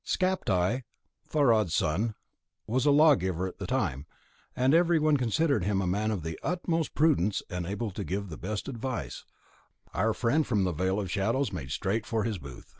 Skapti Thorodd's son was lawgiver at that time, and as everyone considered him a man of the utmost prudence and able to give the best advice, our friend from the Vale of Shadows made straight for his booth.